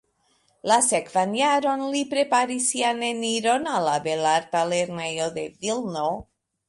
La sekvan jaron li preparis sian eniron al la Belarta Lernejo de Vilno.